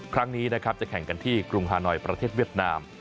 ครั้งนี้นะครับจะแข่งกันที่กรุงฮานอยประเทศเวียดนาม